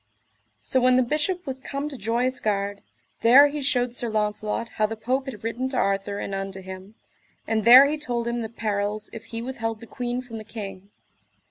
So when the Bishop was come to Joyous Gard, there he shewed Sir Launcelot how the Pope had written to Arthur and unto him, and there he told him the perils if he withheld the queen from the king.